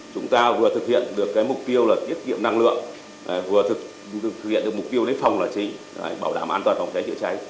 chúng ta vừa thực hiện được mục tiêu tiết kiệm năng lượng vừa thực hiện được mục tiêu lấy phòng bảo đảm an toàn phòng cháy chữa cháy